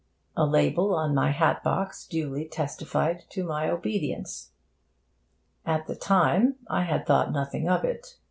A label on my hat box duly testified to my obedience. At the time, I had thought nothing of it.